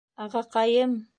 Ағаҡайым!